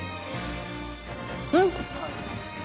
うん！